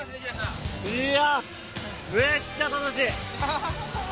いやめっちゃ楽しい！